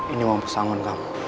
ini wampus anggun kamu